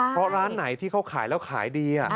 เพราะร้านไหนที่เขาขายแล้วขายดี